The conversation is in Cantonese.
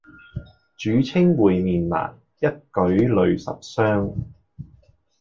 主稱會面難，一舉累十觴。